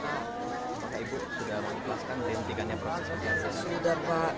pak ibu sudah mengikhlaskan ditinggannya proses pencahayaan